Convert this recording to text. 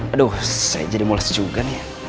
aduh saya jadi mules juga nih ya